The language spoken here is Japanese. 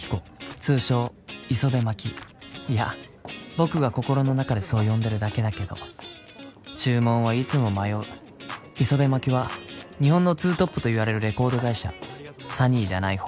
通称・イソベマキいや僕が心の中でそう呼んでるだけだけど注文はいつも迷うイソベマキは日本のツートップといわれるレコード会社サニーじゃない方